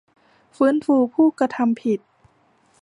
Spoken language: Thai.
ฟื้นฟูผู้กระทำผิด